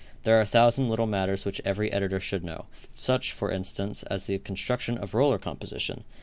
There are a thousand little matters which every editor should know; such, for instance, as the construction of roller composition.